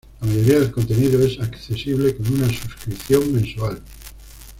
La mayoría del contenido es accesible con una suscripción mensual.